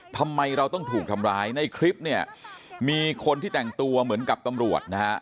ทำไมเราต้องถูกทำร้ายในคลิปเนี่ยมีคนที่แต่งตัวเหมือนกับตำรวจนะฮะ